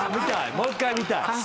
もう１回見たい。